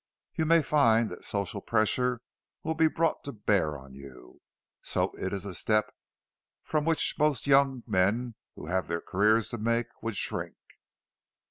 You may find that social pressure will be brought to bear on you. So it is a step from which most young men who have their careers to make would shrink."